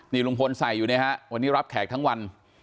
นี่ลุงพลใส่อยู่เนี่ยฮะวันนี้รับแขกทั้งวัน